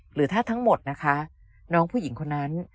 หรือถ้าทั้งหมดนะคะน้องผู้หญิงคนนั้น